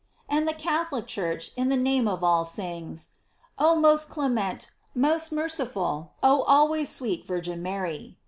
And the Catholic Church, in the name of all, sings : "Oh most clement, most merciful, oh always sweet Virgin Mary